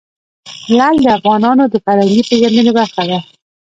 لعل د افغانانو د فرهنګي پیژندنې برخه ده.